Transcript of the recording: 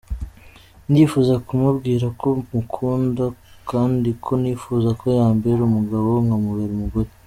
Ndifuza kumubwira ko mukunda kandi ko nifuza ko yambera umugabo nkamubera umugore.